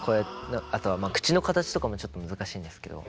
あとは口の形とかもちょっと難しいんですけど。